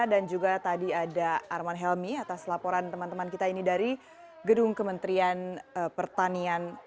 dan juga tadi ada arman helmi atas laporan teman teman kita ini dari gedung kementerian pertanian